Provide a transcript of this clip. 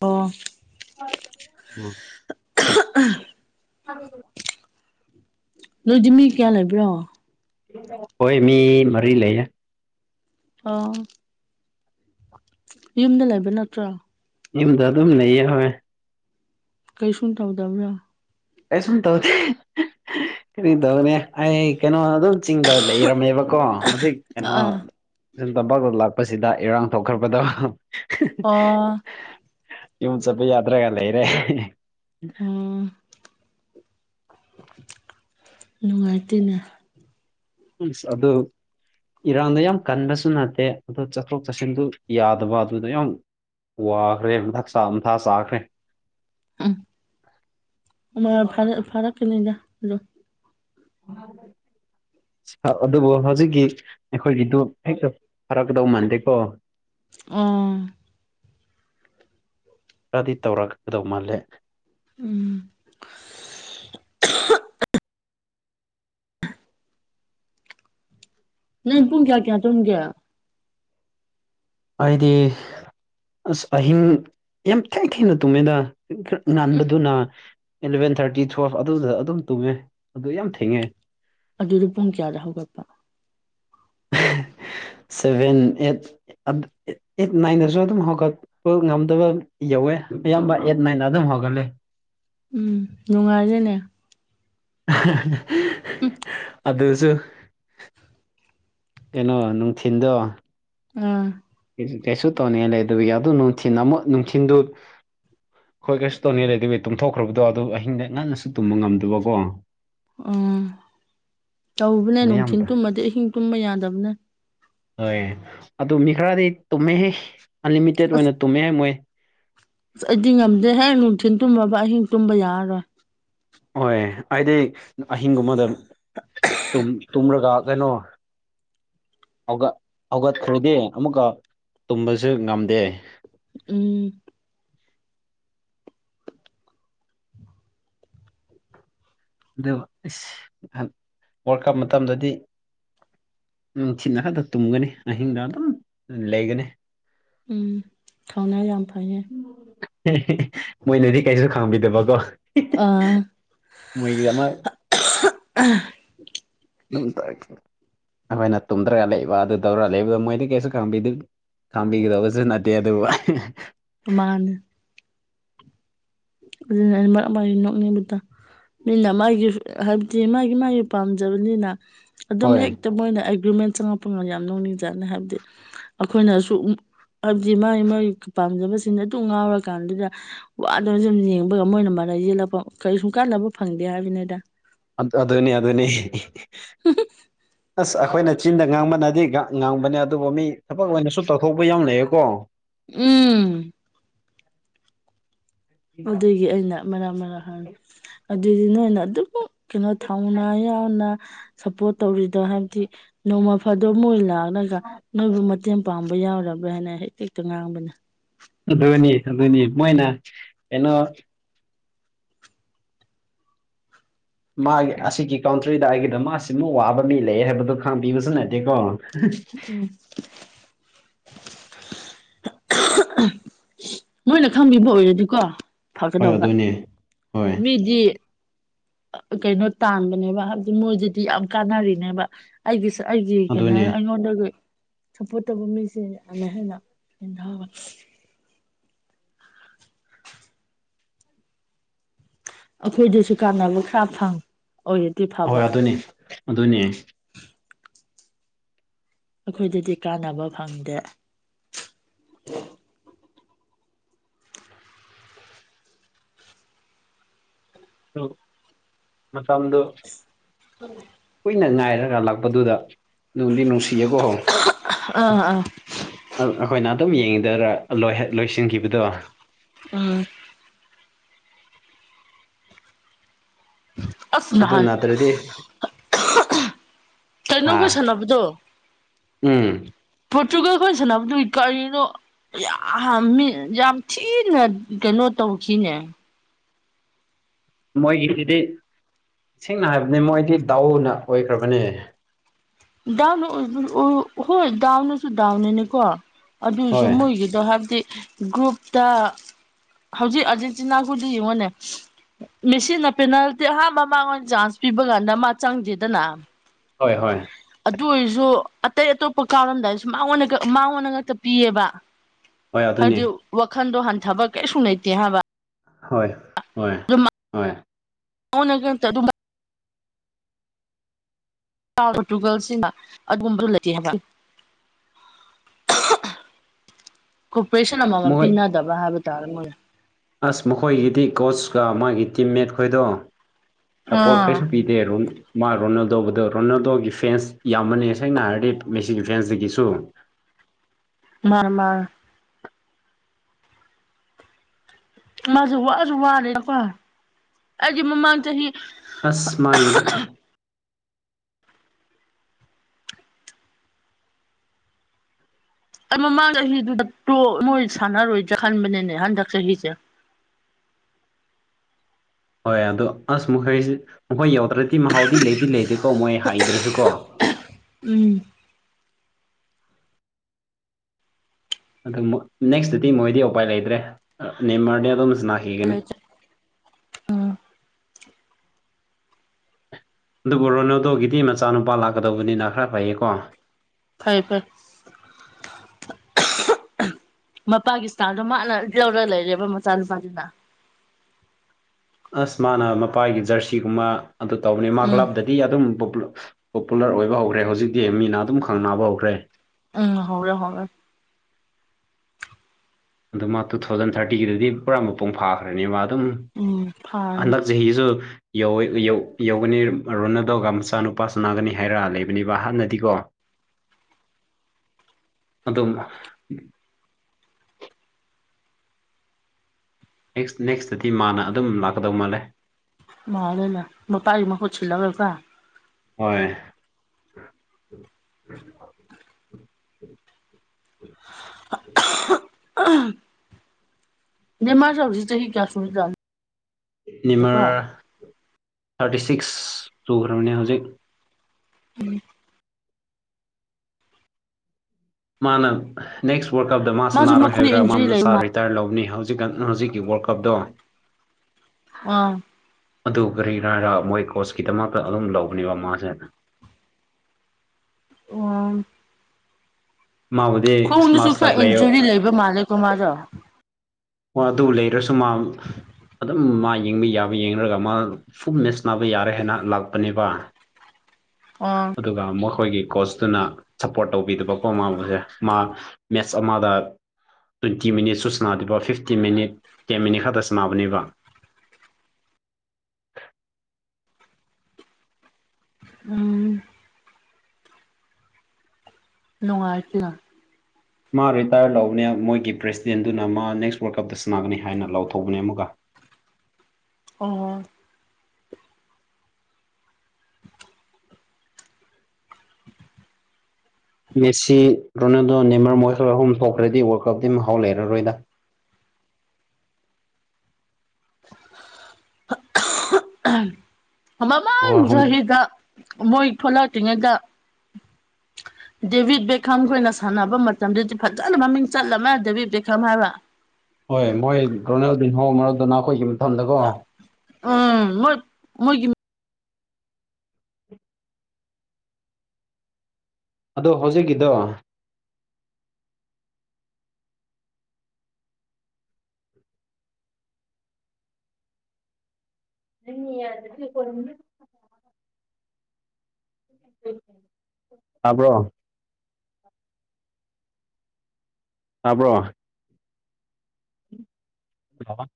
ꯑꯣ ꯎꯝ ꯅꯣꯏꯗꯤ ꯃꯤ ꯀꯌꯥ ꯂꯩꯕ꯭ꯔꯣ ꯈꯣꯏ ꯃꯤ ꯃꯔꯤ ꯂꯩꯌꯦ ꯑꯣ ꯌꯨꯝꯗ ꯂꯩꯕ ꯅꯠꯇ꯭ꯔꯣ ꯌꯨꯝꯗ ꯑꯗꯨꯝ ꯂꯩꯌꯦ ꯍꯣꯏ ꯀꯩꯁꯨꯝ ꯇꯧꯗꯕ꯭ꯔꯥ ꯀꯩꯁꯨꯝ ꯇꯧꯗꯦ ꯀꯔꯤ ꯇꯧꯅꯤ ꯑꯩ ꯀꯩꯅꯣ ꯑꯗꯨꯝ ꯆꯤꯡꯗ ꯂꯩꯔꯝꯃꯦꯕ ꯀꯣ ꯍꯧꯖꯤꯛ ꯀꯩꯅꯣ ꯑ ꯇꯝꯄꯥꯛꯇ ꯂꯥꯛꯄꯁꯤꯗ ꯏꯔꯥꯡ ꯇꯧꯛꯈ꯭ꯔꯕꯗ ꯑꯣ ꯌꯨꯝ ꯆꯠꯄ ꯌꯥꯗ꯭ꯔꯒꯂ ꯂꯩꯔꯦ ꯎꯝ ꯅꯨꯡꯉꯥꯏꯇꯦꯅꯦ ꯑꯁ ꯑꯗꯨ ꯏꯔꯥꯡꯗ ꯌꯥꯝ ꯀꯟꯕꯁꯨ ꯅꯠꯇꯦ ꯑꯗꯨ ꯆꯠꯊꯣꯛ ꯆꯠꯁꯤꯟꯗꯨ ꯌꯥꯗꯕ ꯑꯗꯨꯗ ꯌꯥꯝ ꯋꯥꯈ꯭ꯔꯦꯕ [unintelligible] ꯃꯊꯥ ꯁꯥꯈ꯭ꯔꯦ [unintelligible] ꯐꯔ ꯐꯔ ꯥꯀꯅꯤꯗ ꯑꯗꯣ ꯑꯗꯨꯕꯨ ꯍꯧꯖꯤꯛꯀꯤ ꯑꯩꯈꯣꯏꯒꯤꯗꯨ ꯍꯦꯛꯇ ꯐꯔꯛꯀꯗꯧ ꯃꯥꯟꯗꯦꯀꯣ ꯎꯝ ꯈꯔꯗꯤ ꯇꯧꯔꯛꯒꯗꯧ ꯃꯥꯜꯂꯦ ꯎꯝ ꯅꯣꯏ ꯄꯨꯡ ꯀꯌꯥ ꯀꯌꯥ ꯇꯨꯨꯝꯒꯦ ꯑꯩꯗꯤ ꯑꯁ ꯑꯍꯤꯡ ꯌꯥꯝ ꯊꯦꯡ ꯊꯦꯡꯅ ꯇꯨꯝꯃꯦꯗ ꯈꯔ ꯎꯝ ꯉꯟꯕꯗꯨꯅ ꯑꯦꯂꯚꯦꯟ ꯊꯥꯔꯇꯤ ꯇꯨꯋꯦꯜꯐ ꯑꯗꯨꯗ ꯑꯗꯨꯝ ꯇꯨꯝꯃꯦ ꯑꯗꯨ ꯌꯥꯝ ꯊꯦꯡꯉꯦ ꯑꯗꯨꯗꯤ ꯄꯨꯡ ꯀꯌꯥꯗ ꯍꯧꯒꯠꯄ ꯁꯚꯦꯟ ꯑꯩꯠ ꯑꯩꯠ ꯅꯥꯏꯟꯗꯁꯨ ꯑꯗꯨꯝ ꯍꯧꯒꯠ ꯄ ꯉꯝꯗꯕ ꯌꯧꯋꯦ ꯑꯌꯥꯝꯕ ꯑꯦꯠ ꯅꯥꯏꯟ ꯑꯗꯨꯝ ꯍꯧꯒꯠꯂꯦ ꯎꯝ ꯅꯨꯡꯉꯥꯏꯔꯦꯅꯦ ꯎꯝ ꯑꯗꯨꯁꯨ ꯀꯩꯅꯣ ꯅꯨꯡꯊꯤꯟꯗꯣ ꯑꯥ ꯀꯩꯁꯨ ꯇꯧꯅꯤꯡꯉꯥꯏ ꯂꯩꯇꯕꯒꯤ ꯑꯗꯨ ꯅꯨꯡꯊꯤꯟ ꯑꯃꯨꯛ ꯅꯨꯡꯊꯤꯟꯗꯨ ꯍꯣꯏ ꯀꯩꯁꯨ ꯇꯧꯅꯤꯉꯥꯏ ꯂꯩꯇꯕꯩ ꯇꯨꯝꯊꯣꯛꯈ꯭ꯔꯕꯗꯣ ꯑꯗꯨ ꯑꯍꯤꯡꯗ ꯉꯟꯅꯁꯨ ꯇꯨꯝꯕ ꯉꯝꯗꯕꯀꯣ ꯑꯣ ꯇꯧꯕꯅꯦ ꯅꯨꯡꯊꯤꯟ ꯃꯌꯥꯝꯇ ꯇꯨꯝꯃꯗꯤ ꯑꯍꯤꯡ ꯇꯨꯝꯕ ꯌꯥꯗꯕꯅꯦ ꯍꯣꯏ ꯑꯗꯨ ꯃꯤ ꯈꯔꯗꯤ ꯇꯨꯝꯃꯦꯍꯦ ꯑꯟꯂꯤꯃꯤꯇꯦꯠ ꯑꯁ ꯑꯣꯏꯅ ꯇꯨꯝꯃꯦꯍ‌ꯦ ꯃꯣꯏ ꯑꯁ ꯑꯩꯗꯤ ꯉꯝꯗꯦ ꯍꯦꯛ ꯅꯨꯡꯊꯤꯟ ꯇꯨꯝꯃꯕ ꯑꯍꯤꯡ ꯇꯨꯝꯕ ꯌꯥꯔꯔꯣꯏ ꯍꯣꯏ ꯑꯩꯗꯤ ꯑꯍꯤꯡꯒꯨꯝꯕꯗ ꯇꯨꯝ ꯇꯨꯝꯔꯒ ꯀꯩꯅꯣ ꯍꯧꯒ ꯍꯧꯒꯠꯈ꯭ꯔꯗꯤ ꯑꯃꯨꯛꯀ ꯇꯨꯝꯕꯁꯨ ꯉꯝꯗꯦ ꯎꯝ ꯑꯗꯨ ꯏꯁ ꯋꯥꯜ ꯀꯞ ꯃꯇꯝꯗꯗꯤ ꯅꯨꯡꯊꯤꯟ ꯉꯥꯛꯇ ꯇꯨꯝꯒꯅꯤ ꯑꯍꯤꯡꯗ ꯑꯗꯨꯝ ꯂꯩꯒꯅꯤ ꯎꯝ ꯊꯧꯅꯥ ꯌꯥꯝ ꯐꯩꯍ‌ꯦ ꯃꯣꯏꯅꯗꯤ ꯀꯩꯁꯨ ꯈꯥꯡꯕꯤꯗꯕꯀꯣ ꯑꯥ ꯃꯣꯏꯒꯤꯗꯃꯛ [unintelligible] ꯑꯩꯈꯣꯏꯅ ꯇꯨꯝꯗ꯭ꯔꯒ ꯂꯩꯕ ꯑꯗꯨ ꯇꯧꯔꯒ ꯂꯩꯕꯗꯣ ꯃꯣꯏꯗꯤ ꯀꯩꯁꯨ ꯈꯪꯕꯤꯗ‌ꯦ ꯈꯪꯕꯤꯒꯗꯧꯕꯁꯨ ꯅꯠꯇꯦ ꯑꯗꯨꯕꯨ ꯀꯃꯥꯅ ꯑꯗꯨꯅ ꯑꯩ ꯃꯔꯛ ꯃꯔꯛ ꯅꯣꯛꯅꯤꯡꯕꯗ‌ꯣ ꯃꯤꯅ ꯃꯥꯒꯤ ꯍꯥꯏꯕꯗꯤ ꯃꯥꯒꯤ ꯃꯥꯒꯤ ꯄꯥꯝꯖꯕꯅꯤꯅ ꯑꯗꯨꯝ ꯍꯣꯏ ꯍꯦꯛ ꯃꯣꯏꯅ ꯑꯦꯒ꯭ꯔꯤꯃꯦꯟ ꯆꯪꯉꯛꯄ ꯌꯥꯝ ꯅꯧꯅꯤꯡꯖꯥꯠꯅꯤ ꯍꯥꯏꯕꯗꯤ ꯑꯩꯈꯣꯏꯅꯁꯨ ꯍꯥꯏꯕꯗꯤ ꯃꯥꯒꯤ ꯃꯥꯒꯤ ꯄꯥꯝꯖꯕꯁꯤꯅ ꯑꯗꯨꯝ ꯉꯥꯎꯔꯀꯥꯟꯗꯨꯗ ꯋ ꯑꯗ‌ꯣ ꯁꯨꯝ ꯌꯦꯡꯕꯒ ꯃꯣꯏꯅ ꯃꯔꯩ ꯌꯦꯜꯂꯛꯄ ꯀꯔꯤ ꯁꯨ ꯀꯥꯟꯅꯕ ꯐꯪꯗꯦ ꯍꯥꯏꯕꯅꯤꯗ ꯑꯗꯨꯅꯤ ꯑꯗꯨꯅꯤ ꯑꯁ ꯑꯩꯈꯣꯏꯅ ꯆꯤꯟꯗ ꯉꯥꯡꯕꯅꯗꯤ ꯉ ꯉꯥꯡꯕꯅꯦ ꯑꯗꯨꯕꯨ ꯃꯤ ꯊꯕꯛ ꯑꯣꯏꯅꯁꯨ ꯇꯧꯊꯣꯛꯄ ꯌꯥꯝ ꯂꯩꯌꯦꯀꯣ ꯎꯝ ꯑꯗꯨꯒꯤ ꯑꯩꯅ ꯃꯔꯥꯛ ꯃꯔꯥꯛ ꯍꯥꯏꯕꯟ ꯑꯗꯨꯗꯤ ꯅꯣꯏꯅ ꯑꯗꯨꯝ ꯀꯩꯅꯣ ꯊꯧꯅꯥ ꯌꯥꯎꯅ ꯁꯞꯄꯣꯔꯠ ꯇꯧꯔꯤꯗꯣ ꯍꯥꯏꯕꯗꯤ ꯅꯣꯡꯃ ꯐꯥꯗꯣꯛ ꯃꯣꯏ ꯂꯥꯛ ꯑꯒ ꯅꯣꯏꯕꯨ ꯃꯇꯦꯡ ꯄꯥꯡꯕ ꯌꯥꯎꯔꯕ꯭ꯔꯥ ꯍꯥꯏꯅ ꯍꯦꯛꯇ ꯍꯦꯛꯇ ꯉꯥꯡꯕꯅꯦ ꯑꯗꯨꯅꯤ ꯑꯗꯨꯅꯤ ꯃꯣꯏꯅ ꯀꯩꯅꯣ ꯃꯥꯒꯤ ꯑꯁꯤꯒꯤ ꯀꯥꯎꯟꯇ꯭ꯔꯤꯗ ꯑꯩꯒꯤꯗ ꯑꯁꯤꯃꯨꯛ ꯋꯥꯕ ꯃꯤ ꯂꯩ ꯍꯥꯏꯕꯗꯣ ꯈꯥꯡꯕꯤꯕꯁꯨ ꯅꯠꯇꯦꯀꯣ [unintelligible] ꯃꯣꯏꯅ ꯈꯪꯕꯤꯕ ꯑꯣꯏꯔꯗꯤꯀꯣ ꯍꯣꯏ ꯐꯒꯗꯧꯕ ꯑꯗꯨꯅꯦ ꯍꯣꯏ ꯃꯤꯗꯤ ꯀꯩꯅꯣ ꯇꯥꯟꯕꯅꯦꯕ ꯍꯥꯏꯕꯗꯤ ꯃꯣꯏꯗꯗꯤ ꯌꯥꯝ ꯀꯥꯟꯅꯔꯤꯅꯦꯕ ꯑꯩꯒꯤꯁꯨ ꯑꯩꯒꯤ ꯑꯗꯨꯅꯦ ꯀꯩꯅꯣꯔ ꯑꯩꯉꯣꯟꯗꯒꯤ ꯁꯞꯄꯣꯔꯠ ꯇꯧꯕ ꯃꯤꯁꯦ ꯌꯥꯝꯅ ꯍꯦꯟꯅ ꯍ‌ꯦꯟꯊꯕ ꯑꯩꯈꯣꯏꯗꯁꯨ ꯀꯥꯟꯅꯕ ꯈꯔ ꯐꯪ ꯑꯣꯏꯔꯗꯤ ꯐ ꯑꯍꯣꯏ ꯑꯗꯨꯅꯤ ꯑꯗꯨꯅ‌ꯦ ꯑꯩꯈꯣꯏꯗꯗꯤ ꯀꯥꯟꯅꯕ ꯐꯪꯗꯦ ꯃꯐꯝꯗꯣ ꯎꯝ ꯀꯨꯏꯅ ꯉꯥꯏꯔꯒ ꯂꯥꯛꯄꯗꯨꯗ ꯅꯨꯡꯗꯤ ꯅꯨꯡꯁꯤꯌꯦꯀꯣ ꯑꯥ ꯑꯥ ꯑꯩꯈꯣꯏꯅ ꯑꯗꯨꯝ ꯌꯦꯡꯉꯤꯗ ꯂꯣꯏꯁꯤꯟꯈꯤꯕꯗꯣ ꯎꯝ ꯑꯁ ꯑꯗꯨ ꯅꯠꯇ꯭ꯔꯗꯤ ꯀꯅꯣ ꯑ ꯈ‌ꯣꯏ ꯁꯥꯟꯅꯕꯗꯣ ꯎꯝ ꯄꯣꯔꯇꯨꯒꯜ ꯈꯣꯏ ꯁꯅꯥꯅꯕꯗꯨ ꯀꯔꯤꯅꯣ ꯌꯥꯝ ꯃꯤ ꯌꯥꯝ ꯊꯤꯅ ꯀꯩꯅꯣ ꯇꯧꯈꯤꯅꯦ ꯃꯣꯏꯒꯤꯁꯤꯗꯤ ꯁꯦꯡꯅ ꯍꯥꯏꯕꯅꯤ ꯃꯣꯏꯗꯤ ꯗꯥꯎꯅ ꯑꯣꯏꯈ꯭ꯔꯕꯅꯦ ꯗꯥꯎꯅ ꯍꯣꯏ ꯗꯥꯎꯅꯁꯨ ꯗꯥꯎꯅꯅꯤꯀꯣ ꯑꯗꯨꯏꯁꯨ ꯍꯣꯏ ꯃꯣꯏꯒꯤ ꯑꯗꯣ ꯍꯥꯏꯕꯗꯤ ꯒ꯭ꯔꯨꯞꯇ ꯍꯧꯖꯤꯛ ꯑꯥꯔꯖꯦꯟꯇꯤꯅꯥꯍꯣꯏꯗꯤ ꯌꯦꯡꯉꯣꯅꯦ ꯃꯦꯁꯤꯅ ꯄꯦꯅꯥꯜꯇꯤ ꯑꯍꯥꯟꯕ ꯃꯉꯣꯟ ꯆꯥꯟꯁ ꯄꯤꯕ ꯀꯥꯟꯗ ꯃꯥ ꯆꯪꯗꯦꯗꯅ ꯍꯣꯏ ꯍꯣꯏ ꯑꯗꯨ ꯑꯣꯏꯔꯁꯨ ꯑꯇꯩ ꯑꯇꯣꯞꯄ ꯀꯥꯎꯔꯝꯗꯥꯏꯁꯨ ꯃꯥꯡꯉꯣꯟꯗ ꯃꯥꯡꯉꯣꯟꯗ ꯉꯥꯛꯛꯇ ꯄꯤꯑꯦꯕ ꯍꯣꯏ ꯑꯗꯨꯅꯤ ꯍꯥꯏꯗꯤ ꯋꯥꯈꯟꯗꯣ ꯍꯟꯊꯕ ꯀꯩꯁꯨ ꯂꯩꯇꯦ ꯍꯥꯏꯕ ꯍꯣꯏ ꯍꯣꯏ ꯍꯣꯏ [unintelligible] [unintelligible] ꯄꯣꯔꯇꯨꯒꯜꯁꯤꯡꯅ ꯑꯗꯨꯒꯨꯝꯕꯗꯨ ꯂꯩꯇꯦ ꯍꯥꯏꯕ [unintelligible] ꯀꯣꯄꯔꯦꯁꯟ ꯑꯃꯃ ꯃꯣꯏ ꯄꯤꯅꯗꯕ ꯍꯥꯏꯕ ꯇꯥꯔꯦ ꯃꯣꯏꯅ ꯑꯁ ꯃꯈꯣꯏꯒꯤꯗꯤ ꯀꯣꯆꯀ ꯃꯥꯒꯤ ꯇꯤꯝꯃꯦꯠ ꯈꯣꯏꯗꯣ ꯁꯄꯣꯔꯠ ꯑꯥ ꯀꯩꯁꯨ ꯄꯤ ꯗꯦꯔꯨꯟ ꯃꯥ ꯔꯣꯅꯥꯜꯗꯣꯕꯨꯗ ꯔꯣꯅꯥꯜꯗꯣꯒꯤ ꯐꯦꯟꯁ ꯌꯥꯝꯃꯅꯦ ꯁꯦꯡꯅ ꯍꯥꯏꯔꯗꯤ ꯃꯦꯁꯤꯒꯤ ꯐꯦꯟꯁꯇꯒꯤꯁꯨ ꯃꯥꯅꯦ ꯃꯥꯅꯦ ꯃꯥꯁꯨ ꯋꯥꯁꯨ ꯋꯥꯔꯦꯅꯀꯣ ꯑꯩꯗꯤ ꯃꯃꯥꯡ ꯆꯍꯤ ꯑꯁ ꯃꯥꯒꯤꯗꯤ ꯑꯩ ꯃꯃꯥꯡ ꯆꯍꯤꯗꯨꯗ ꯇꯨ ꯃꯣꯏ ꯁꯥꯟꯅꯔꯣꯏꯗ꯭ꯔꯥ ꯈꯟꯕꯅꯤꯅꯦ ꯍꯟꯗꯛ ꯆꯍꯤꯁꯦ ꯍꯣꯏ ꯑꯗꯣ ꯑꯁ ꯃꯈꯣꯏꯁꯦ ꯃꯈꯣꯏ ꯌꯧꯗ꯭ꯔꯗꯤ ꯃꯍꯥꯎꯗꯤ ꯂꯩꯗꯤ ꯂꯩꯇꯦꯀꯣ ꯃꯣꯏ ꯍꯩꯗ꯭ꯔꯁꯨ ꯀꯣ ꯎꯝ ꯑꯗꯨ ꯅꯦꯛꯁꯇꯗꯤ ꯃꯣꯏꯗꯤ ꯎꯄꯥꯏ ꯂꯩꯇ꯭ꯔꯦ ꯅꯦꯝꯃꯔꯅꯦ ꯑꯗꯣꯝ ꯁꯥꯅꯥꯈꯤꯒꯅꯤ ꯎꯝ ꯑꯗꯨꯕꯨ ꯔꯣꯅꯣꯗꯣꯒꯤꯗꯤ ꯃꯆꯥꯅꯨꯄꯥ ꯂꯥꯛꯀꯗꯧꯕꯅꯤꯅ ꯈꯔ ꯐꯩꯌꯦꯀꯣ ꯐꯩ ꯐꯩ [unintelligible] [unintelligible] ꯃꯄꯥꯒꯤ ꯏꯁꯇꯥꯏꯜꯗꯣ ꯃꯥꯅ ꯂꯧꯔꯒ ꯂꯩꯔꯦꯕ ꯃꯆꯥꯅꯨꯄꯥꯗꯨꯅ ꯑꯁ ꯃꯥꯅ ꯃꯄꯥꯒꯤ ꯖꯔꯁꯤꯒꯨꯝꯕ ꯑꯗꯨ ꯇꯧꯕꯅꯦ ꯃꯥ ꯎꯝ ꯀ꯭ꯂꯕꯇ ꯗꯤ ꯑꯗꯨꯝ ꯄꯣꯄꯨꯂꯔ ꯑꯣꯏꯕ ꯍꯧꯈ꯭ꯔꯦ ꯍꯧꯖꯤꯛꯇꯤ ꯃꯤꯅ ꯑꯗꯨꯝ ꯈꯪꯅꯕ ꯍꯧꯈ꯭ꯔꯦ ꯎꯝ ꯍꯧꯔꯦ ꯍꯧꯔꯦ ꯑꯗꯨ ꯃꯥ ꯇꯨ ꯊꯥꯎꯖꯟ ꯊꯥꯔꯇꯤꯒꯤꯗꯗꯤ ꯄꯨꯔꯥ ꯃꯄꯨꯡ ꯐꯥꯈ꯭ꯔꯅꯦ ꯃꯥ ꯑꯗꯨꯝ ꯎꯝ ꯐꯅ ꯍꯟꯗꯛ ꯆꯍꯤꯁꯨ ꯌꯧ ꯌꯧꯒꯅꯤ ꯔꯣꯅꯥꯜꯗꯣꯒ ꯃꯆꯥ ꯅꯨꯨꯄꯥ ꯁꯥꯅꯥꯒꯅꯤ ꯍꯥꯏꯔ ꯂꯩꯕꯅꯦꯕ ꯍꯥꯟꯅꯗꯤꯀꯣ [inaudible] ꯑꯗꯨꯝ ꯅꯦꯛꯁ ꯅꯦꯛꯁꯇꯗꯤ ꯃꯥꯅ ꯑꯗꯨꯝ ꯂꯥꯛꯀꯗꯧ ꯃꯥꯜꯂꯦ ꯃꯥꯟꯂꯦ ꯅ ꯃꯄꯥꯒꯤ ꯃꯍꯨꯠ ꯁꯤꯜꯂꯒꯀꯣ ꯍꯣꯏ ꯅꯦꯃꯥꯔꯁꯨ ꯍꯧꯖꯤꯛ ꯆꯍꯤ ꯀꯌꯥ ꯁꯨꯔꯖꯥꯠꯅꯣ ꯀꯣ ꯅꯤꯃꯔ ꯊꯥꯔꯇꯤ ꯁꯤꯛꯁ ꯆꯨꯈ꯭ꯔꯕꯅꯦ ꯍꯧꯖꯤꯛ [inaudible] ꯃꯥꯅ ꯅꯦꯛꯁ ꯋꯥꯔꯜ ꯀꯞꯇ ꯃꯥ ꯃꯥꯁꯨ ꯁꯅꯥꯔꯣꯏ ꯃꯈꯨꯠ ꯍꯥꯏꯕꯔ꯭ꯔꯥ ꯏꯟꯖꯨꯔꯤ ꯃꯥ ꯂꯩꯕ ꯁꯥꯔꯣꯏ ꯃꯥꯜꯂꯦ ꯇꯥꯔ ꯂꯧꯅꯤ ꯍꯧꯖꯤꯛ ꯍꯧꯖꯤꯛꯀꯤ ꯋꯥꯔꯜ ꯀꯞꯗꯣ ꯑꯥ ꯑꯗꯨ ꯀꯔꯤꯅ ꯍꯥꯏꯔ ꯃꯣꯏ ꯀꯣꯁꯀꯤꯗꯃꯛꯇ ꯑꯗꯨꯝ ꯂꯧꯕꯅꯦꯕ ꯃꯥꯁꯦ ꯑꯣ ꯃꯥꯕꯨ ꯈꯣꯡꯗꯁꯨ ꯈꯔ ꯏꯟꯖꯨꯔꯤ ꯂꯩꯕ ꯃꯥꯜꯂꯦꯀꯣ ꯃꯥꯗꯣ ꯃꯥꯗꯨ ꯂꯩꯔꯁꯨ ꯃꯥ ꯑꯗꯨꯝ ꯃꯥ ꯌꯦꯡꯕ ꯌꯥꯕ ꯌꯦꯡꯔꯒ ꯃꯥ ꯐꯨꯜ ꯃꯦꯠ ꯁꯅꯥꯕ ꯌꯥꯔꯦ ꯍꯥꯏꯅ ꯂꯥꯛꯄꯅꯦꯕ ꯑꯣ ꯑꯗꯨꯒ ꯃꯈꯣꯏꯒꯤ ꯀꯣꯆꯇꯨꯅ ꯁꯞꯄꯣꯔꯠ ꯇꯧꯕꯤꯗꯕ ꯀꯣ ꯃꯥꯕꯨꯁꯦ ꯃꯥ ꯃꯦꯁ ꯑꯃꯥꯗ ꯇ꯭ꯋꯦꯟꯇꯤ ꯃꯤꯅꯤꯠ ꯁꯨ ꯁꯅꯗꯕ ꯐꯤꯐꯇꯤ ꯃꯤꯅꯤꯠ ꯇꯦꯟ ꯃꯤꯅꯤꯠ ꯈꯛꯇ ꯁꯅꯥꯕꯅꯦꯕ ꯎꯝ ꯅꯨꯡꯉꯥꯢꯇꯦ ꯃꯥ ꯔꯤꯇꯥꯌꯔ ꯂꯧꯕꯅꯦ ꯃꯣꯏꯒꯤ ꯄ꯭ꯔꯦꯁꯤꯗꯦꯟꯗꯨꯅ ꯃꯥ ꯅꯦꯛꯁ ꯋꯥꯔꯜ ꯀꯞꯇ ꯁꯥꯟꯒꯅꯤ ꯍꯥꯏꯅ ꯂꯥꯎꯊꯣꯛꯕꯅꯦ ꯑꯃꯨꯛꯒ ꯑꯣ ꯃꯦꯁꯤ ꯔꯣꯅꯥꯜꯗꯣ ꯅꯦꯃꯔ ꯃꯣꯏ ꯈꯔ ꯑꯍꯨꯝ ꯊꯣꯛꯈ꯭ꯔꯗꯤ ꯋꯥꯔꯜ ꯀꯞꯇꯤ ꯃꯍꯥꯎ ꯂꯩꯔꯔꯣꯏꯗ ꯍꯣꯏ ꯍꯨꯝ [unintelligible] ꯃꯣꯏ ꯊꯣꯛꯂꯛꯇ꯭ꯔꯤꯉꯩꯗ [inaudible] ꯗꯦꯚꯠ ꯕꯦꯛꯈꯝ ꯈꯣꯏꯅ ꯁꯥꯟꯅꯕ ꯃꯇꯝꯗꯗꯤ ꯐꯖꯅ ꯃꯃꯤꯡ ꯆꯠꯂꯝꯃꯦ ꯗꯦꯚꯠ ꯕꯦꯛꯈꯝ ꯍꯥꯏꯕ꯭ꯔꯥ ꯍꯣꯏ ꯃꯣꯏ ꯔꯣꯅꯦꯜꯗꯤꯟꯍꯣ ꯃꯣꯔꯣꯗꯣꯅ ꯈꯣꯏꯒꯤ ꯃꯇꯝꯗꯀꯣ ꯎꯝ ꯃꯣꯏ ꯃꯣꯏꯒꯤ ꯑꯗꯣ ꯍꯧꯖꯤꯛꯀꯤꯗꯣ [unintelligible] ꯇꯕ꯭ꯔꯣ ꯇꯥꯕ꯭ꯔꯣ ꯍꯜꯂꯣ